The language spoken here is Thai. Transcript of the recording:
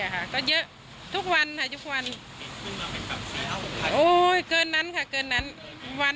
ค่ะก็เยอะทุกวันค่ะทุกวันโอ้ยเกินนั้นค่ะเกินนั้นวัน